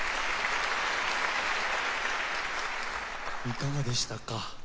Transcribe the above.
いかがでしたか？